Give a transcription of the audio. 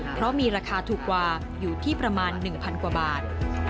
เพราะมีราคาถูกกว่าอยู่ที่ประมาณ๑๐๐กว่าบาท